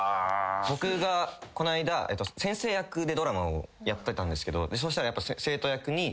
僕がこの間先生役でドラマをやってたんですけどそしたらやっぱ。